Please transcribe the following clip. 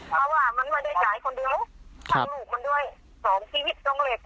เพราะว่ามันไม่ได้จ่ายคนเดียว